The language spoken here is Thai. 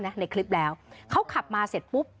ในคลิปแล้วเขาขับมาเสร็จปุ๊บ